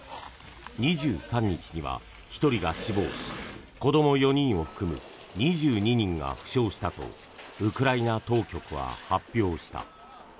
２３日には１人が死亡し子ども４人を含む２２人が負傷したとウクライナ当局は発表した。